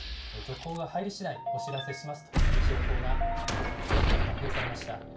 続報が入りしだい、お知らせしますという情報が政府から発表されました。